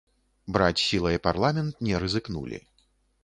Браць сілай парламент не рызыкнулі.